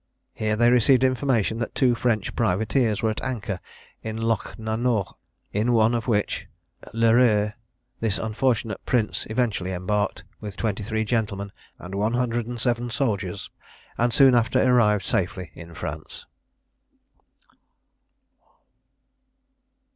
Here they received information that two French privateers were at anchor in Lochnanaugh, in one of which, L'Heureux, this unfortunate prince eventually embarked, with twenty three gentlemen, and one hundred and seven soldiers, and soon after arrived safely in France.